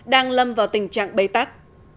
đang lâm vào tình trạng bấy tắc